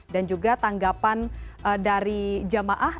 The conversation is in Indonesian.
dan juga tanggapan dari jemaah